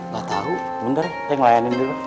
gak tau untung saya ngelayanin dulu